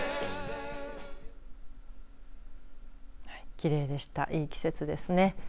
きれいでした、いい季節ですね。